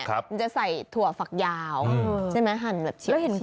มันจะใส่ถั่วฝักยาวใช่ไหมหั่นแบบชิ้น